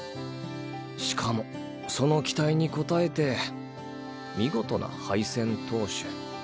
しかもその期待に応えて見事な敗戦投手。